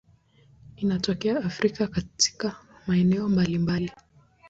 Inatokea Afrika katika maeneo mbalimbali.